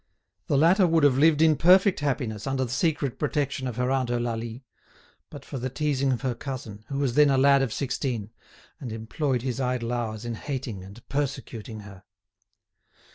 The latter would have lived in perfect happiness under the secret protection of her aunt Eulalie, but for the teasing of her cousin, who was then a lad of sixteen, and employed his idle hours in hating and persecuting her.